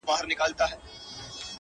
زه د هر چا ښو له کاره ويستمه _